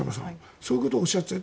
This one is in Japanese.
そういうことをおっしゃっていて。